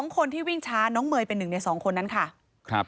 คนที่วิ่งช้าน้องเมย์เป็น๑ใน๒คนนั้นค่ะ